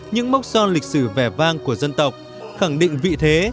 những mốc son lịch sử vẻ vang của dân tộc khẳng định vị thế